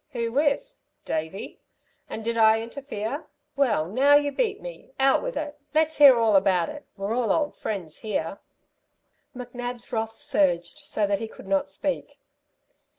"Who with? Davey? And did I interfere? Well, now you beat me! Out with it! Let's hear all about it. We're all old friends here." McNab's wrath surged so that he could not speak.